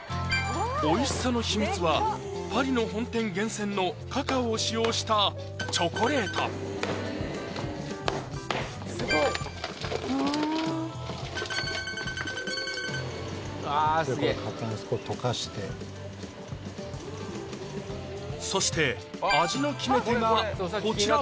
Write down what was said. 美味しさの秘密はパリの本店厳選のカカオを使用したチョコレートあスゲえこれ溶かしてそして味の決め手がこちら！